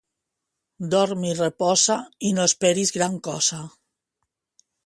Dorm i reposa i no esperis gran cosa.